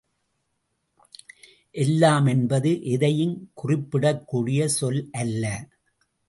எல்லாம் என்பது எதையும் குறிப்பிடக்கூடிய சொல் அல்ல.